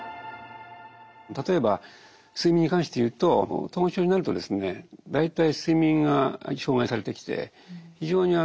例えば「睡眠」に関していうと統合失調症になるとですね大体睡眠が障害されてきて非常に短時間睡眠になるんですね。